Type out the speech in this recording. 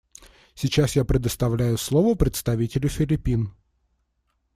Сейчас я предоставляю слово представителю Филиппин.